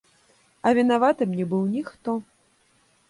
А вінаватым не быў ніхто.